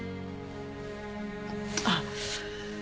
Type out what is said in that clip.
あっ。